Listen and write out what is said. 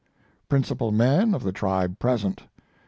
Principal men of the tribe present.